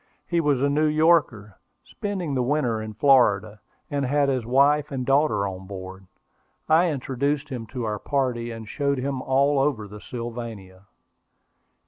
He was a New Yorker, spending the winter in Florida, and had his wife and daughter on board. I introduced him to our party, and showed him all over the Sylvania.